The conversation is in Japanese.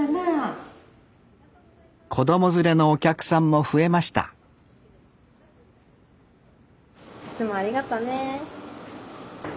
子供連れのお客さんも増えましたいつもありがとね。